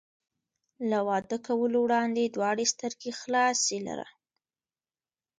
له واده کولو وړاندې دواړه سترګې خلاصې لره.